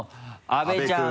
阿部ちゃん。